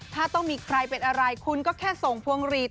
ถ้าต้องมีใครเป็นอะไรคุณก็แค่ส่งพวงหลีด